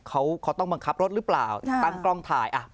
เขาต้องบังคับรถหรือเปล่าตั้งกล้องถ่าย